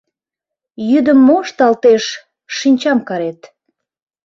— Йӱдым мо ышталтеш, шинчам карет.